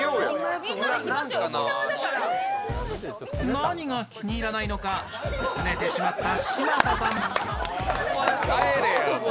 何が気に入らないのかスネてしまった嶋佐さん。